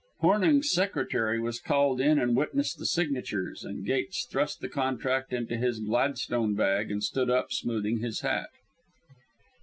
Hornung's secretary was called in and witnessed the signatures, and Gates thrust the contract into his Gladstone bag and stood up, smoothing his hat.